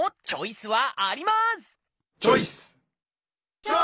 チョイス！